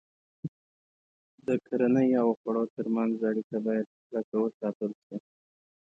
د کرنې او خوړو تر منځ اړیکه باید کلکه وساتل شي.